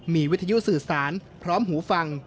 มีวิทยุสื่อสารพร้อมหูฟัง